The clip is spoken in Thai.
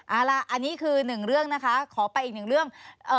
เอาล่ะอันนี้คือหนึ่งเรื่องนะคะขอไปอีกหนึ่งเรื่อง